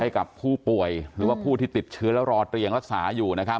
ให้กับผู้ป่วยหรือว่าผู้ที่ติดเชื้อแล้วรอเตียงรักษาอยู่นะครับ